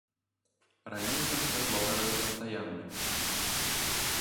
Раней там святло гарэла пастаянна.